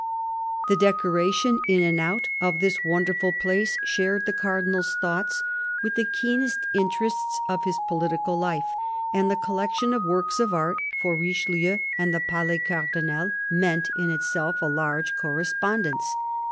The decoration, in and out, of this wonderful place shared the Cardinal's thoughts with the keenest interests of his political life ; and the collection of works of art, for Richelieu and the Palais Cardinal, meant in itself a large correspondence.